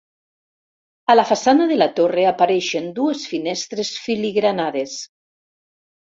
A la façana de la torre apareixen dues finestres filigranades.